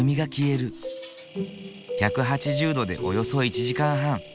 １８０℃でおよそ１時間半。